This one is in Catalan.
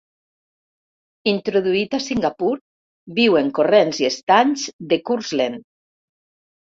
Introduït a Singapur, viu en corrents i estanys de curs lent.